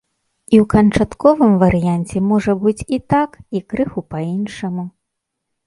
І ў канчатковым варыянце можа быць і так, і крыху па-іншаму.